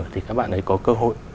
thì các bạn ấy có cơ hội